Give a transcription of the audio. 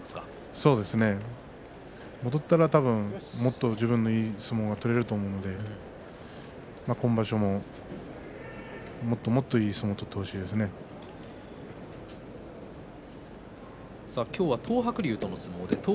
そうですね戻れたらもっと自分のいい相撲を取れると思うので今場所ももっともっといい相撲を今日は東白龍との対戦です。